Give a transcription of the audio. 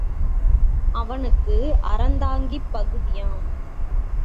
அவனுக்கு அறந்தாங்கிப் பகுதியாம்!